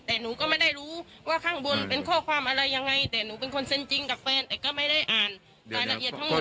แต่หนูก็ไม่ได้รู้ว่าข้างบนเป็นข้อความอะไรยังไงแต่หนูเป็นคนเซ็นจริงกับแฟน